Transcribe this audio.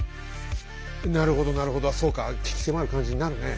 なるほどなるほどそうか鬼気迫る感じになるね